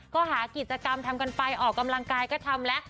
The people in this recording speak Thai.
ก็หากิจกรรมทำกันไปออกกำลังกายก็ทำแล้ว